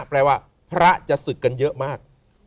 แปลว่าพระจะศึกกันเยอะมาก